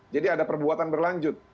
jadi ada perbuatan berlanjut